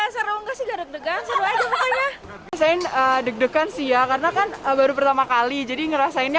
seru seru aja pokoknya sehingga deg degan sih ya karena kan baru pertama kali jadi ngerasainnya